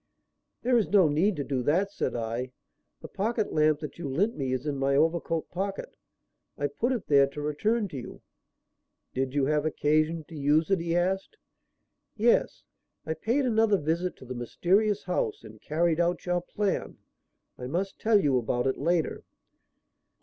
"There is no need to do that," said I. "The pocket lamp that you lent me is in my overcoat pocket. I put it there to return it to you." "Did you have occasion to use it?" he asked. "Yes. I paid another visit to the mysterious house and carried out your plan. I must tell you about it later."